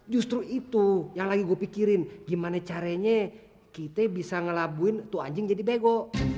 justru itu yang lagi gue pikirin gimana caranya kita bisa ngelabuin tuh anjing jadi bego